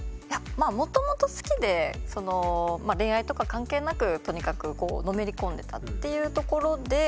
まあもともと好きで恋愛とか関係なくとにかくのめりこんでたっていうところで。